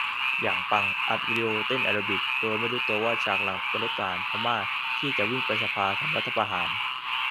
อย่างปัง อัดวิดีโอเต้นแอโรบิค โดยไม่รู้ตัวว่าฉากหลังเป็นรถทหารพม่าที่จะวิ่งไปสภาทำรัฐประหาร